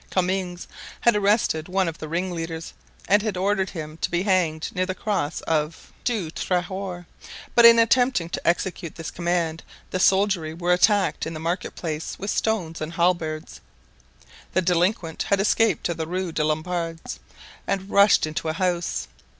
Comminges had arrested one of the ringleaders and had ordered him to be hanged near the cross of Du Trahoir; but in attempting to execute this command the soldiery were attacked in the market place with stones and halberds; the delinquent had escaped to the Rue des Lombards and rushed into a house.